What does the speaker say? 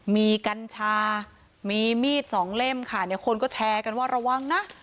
มีกัญชามีมีดสองเล่มค่ะเนี่ยคนก็แชร์กันว่าระวังนะ